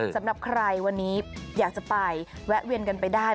สำหรับใครวันนี้อยากจะไปแวะเวียนกันไปได้